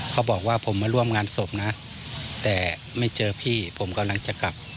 เขาบอกว่าผมมาร่วมงานศพนะแต่ไม่เจอพี่ผมกำลังจะกลับ